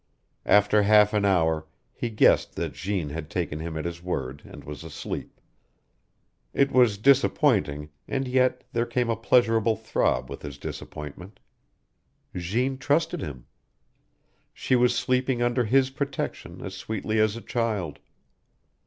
After half an hour he guessed that Jeanne had taken him at his word, and was asleep. It was disappointing, and yet there came a pleasurable throb with his disappointment. Jeanne trusted him. She was sleeping under his protection as sweetly as a child.